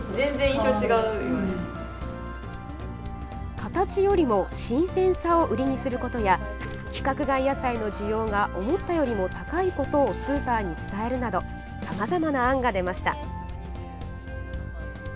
形よりも新鮮さを売りにすることや規格外野菜の需要が思ったよりも高いことをスーパーに伝えるなどさまざまな案が出ました。